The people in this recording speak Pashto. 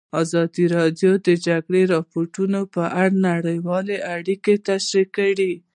ازادي راډیو د د جګړې راپورونه په اړه نړیوالې اړیکې تشریح کړي.